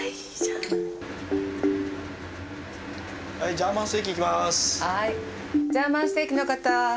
ジャーマンステーキの方。